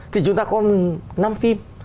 thì chúng ta có năm phim